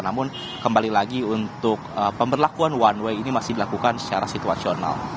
namun kembali lagi untuk pemberlakuan one way ini masih dilakukan secara situasional